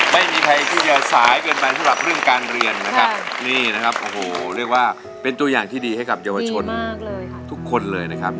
ไม่มีใครที่จะสายเกินไปสำหรับเรื่องการเรียนนะครับนี่นะครับโอ้โหเรียกว่าเป็นตัวอย่างที่ดีให้กับเยาวชนทุกคนเลยนะครับ